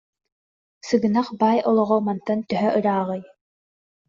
Сыгынах баай олоҕо мантан төһө ырааҕый